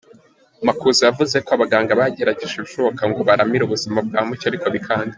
Makuza yavuze ko abaganga bagerageje ibishoboka ngo baramire ubuzima bwa Mucyo ariko bikanga.